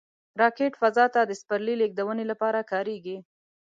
راکټ فضا ته د سپرلي لیږدونې لپاره کارېږي